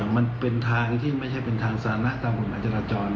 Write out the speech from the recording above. มันเป็นทางที่ไม่ใช่เป็นทางสาธารณะตามกฎหมายจราจร